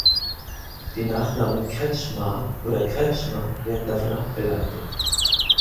Die Nachnamen Kretschmar oder Kretschmer werden davon abgeleitet.